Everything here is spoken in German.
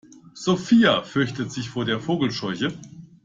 Sophia fürchtet sich vor der Vogelscheuche.